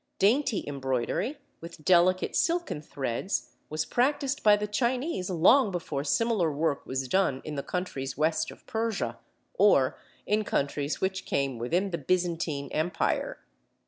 Dainty embroidery, with delicate silken threads, was practised by the Chinese long before similar work was done in the countries west of Persia, or in countries which came within the Byzantine Empire.